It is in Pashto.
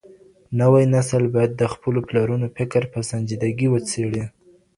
نوی نسل بايد د خپلو پلرونو فکر په سنجيدګۍ وڅېړي.